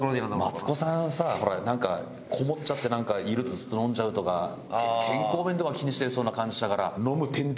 マツコさんさほらなんかこもっちゃっているとずっと飲んじゃうとか健康面とか気にしてそうな感じしたから。